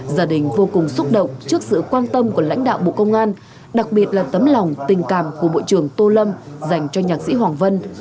gia đình vô cùng xúc động trước sự quan tâm của lãnh đạo bộ công an đặc biệt là tấm lòng tình cảm của bộ trưởng tô lâm dành cho nhạc sĩ hoàng vân